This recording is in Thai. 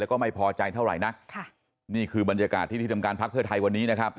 แล้วก็ไม่พอใจเท่าไหร่นักค่ะนี่คือบรรยากาศที่ที่ทำการพักเพื่อไทยวันนี้นะครับ